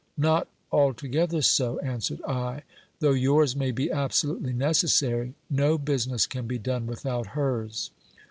Not altogether so, answered I ; though yours may be absolutely necessary, no business can be done without hers.